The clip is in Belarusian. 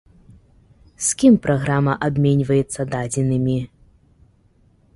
З кім праграма абменьваецца дадзенымі?